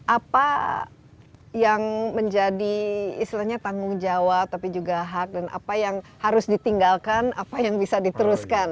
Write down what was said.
apa yang menjadi istilahnya tanggung jawab tapi juga hak dan apa yang harus ditinggalkan apa yang bisa diteruskan